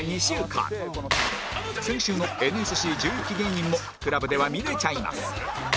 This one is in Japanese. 先週の ＮＳＣ１１ 期芸人も ＣＬＵＢ では見れちゃいます